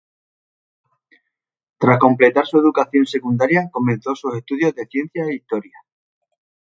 Tras completar su educación secundaria, comenzó sus estudios de ciencia y historia.